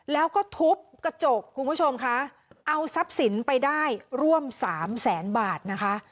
แล้วก็ทุบกระจกคุณผู้ชมคะเอาทรัพย์สินไปได้ร่วมสามแสนบาทนะคะ